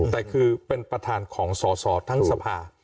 แต่คือเป็นประธานของสอสอทั้งสภา